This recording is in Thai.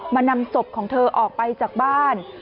นำศพของเธอออกไปจากบ้าน